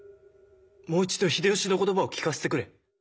もう一度秀吉の言葉を聞かせてくれ。